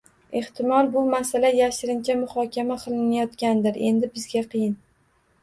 Ehtimol, bu masala yashirincha muhokama qilinayotgandir, endi bizga qiyin